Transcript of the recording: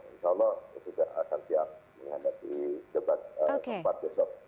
insya allah juga akan siap menghadapi debat keempat besok